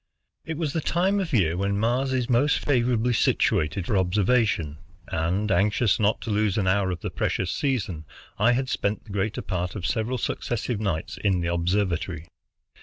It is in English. It was the time of the year when Mars is most favorably situated for observation, and, anxious not to lose an hour of the precious season, I had spent the greater part of several successive nights in the observatory.